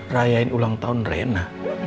rayain ulang tahun rena